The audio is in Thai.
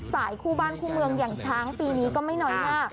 สายคู่บ้านคู่เมืองอย่างช้างปีนี้ก็ไม่น้อยหน้า